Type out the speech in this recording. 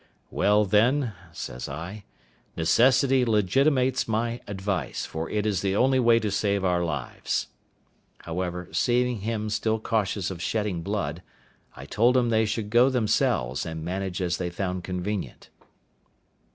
"Well, then," says I, "necessity legitimates my advice, for it is the only way to save our lives." However, seeing him still cautious of shedding blood, I told him they should go themselves, and manage as they found convenient.